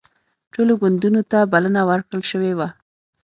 ټولو ګوندونو ته بلنه ورکړل شوې وه